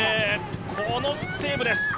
このセーブです。